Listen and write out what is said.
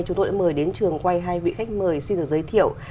chúng tôi đã mời đến trường quay hai vị khách mời xin được giới thiệu